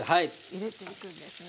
入れていくんですね。